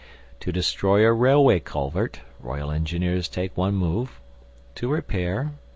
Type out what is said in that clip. To destroy a railway culvert R.E. take one move; to repair R.E.